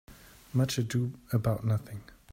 Much Ado About Nothing